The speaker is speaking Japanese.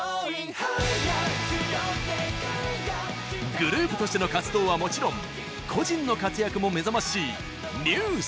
グループとしての活動はもちろん個人の活躍も目覚ましいＮＥＷＳ。